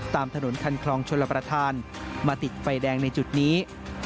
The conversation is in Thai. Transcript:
ตามถนนคันคลองชลประธานมาติดไฟแดงในจุดนี้